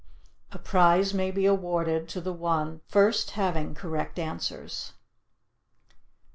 A prize may be awarded to the one first having correct answers.